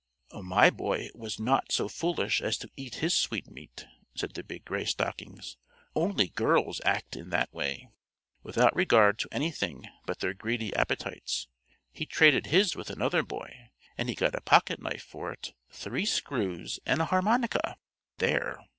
"My boy was not so foolish as to eat his sweetmeat," said the Big Gray stockings. "Only girls act in that way, without regard to anything but their greedy appetites. He traded his with another boy, and he got a pocket knife for it, three screws, and a harmonica. There!"